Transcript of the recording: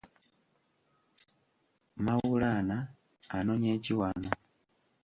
Mawulana, ononye ki wano?